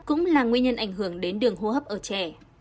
cũng là nguyên nhân ảnh hưởng đến đường hô hấp ở trẻ